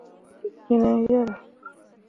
Mo ur gi kene yerre ?